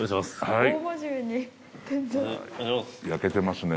はい。